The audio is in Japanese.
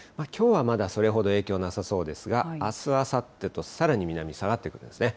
きょうはまだそれほど影響なさそうですが、あす、あさってとさらに南、下がってくるんですね。